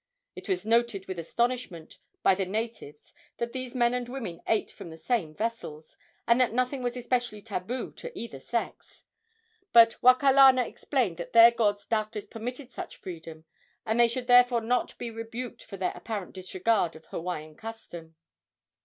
It was noted with astonishment by the natives that these men and women ate from the same vessels, and that nothing was especially tabu to either sex; but Wakalana explained that their gods doubtless permitted such freedom, and they should therefore not be rebuked for their apparent disregard of Hawaiian custom.